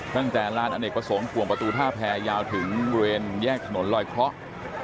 ตั้งแต่ร้านอเนกประสงค์ประตูท่าแผ่ยาวถึงเวนแยกถนนล่อยเคราะห์